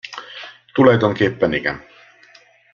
Tulajdonképpen igen.